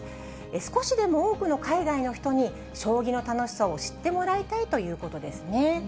少しでも多くの海外の人に将棋の楽しさを知ってもらいたいということですね。